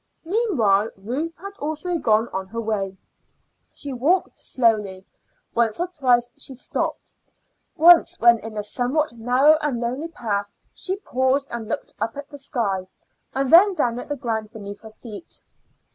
Meanwhile Ruth had also gone on her way. She walked slowly. Once or twice she stopped. Once when in a somewhat narrow and lonely path she paused and looked up at the sky, and then down at the ground beneath her feet.